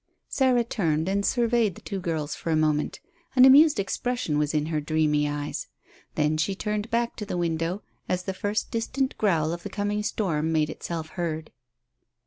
Sarah turned and surveyed the two girls for a moment, an amused expression was in her dreamy eyes. Then she turned back to the window as the first distant growl of the coming storm made itself heard.